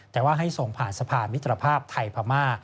แต่ว่าให้ส่งผ่านสะพานมิตรภาพไทยพม่า